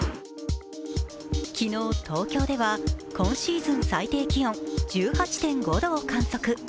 昨日、東京では今シーズン最低気温１８．５度を観測。